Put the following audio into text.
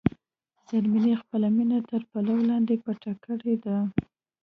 زرمینې خپله مینه تر پلو لاندې پټه کړې ده.